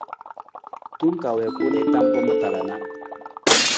Tong kaa wii ku nii tam pa ma tala na.